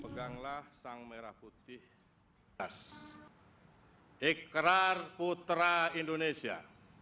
ikrar putra indonesia